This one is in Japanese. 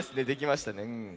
できましたね。